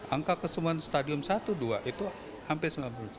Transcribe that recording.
angka kesembuhan stadium satu dua itu hampir sembilan puluh tujuh